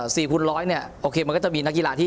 คูณร้อยเนี่ยโอเคมันก็จะมีนักกีฬาที่